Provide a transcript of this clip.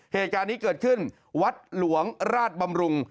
เหตุการณ์นี้เกิดขึ้นวัดหลวงราชบำรุง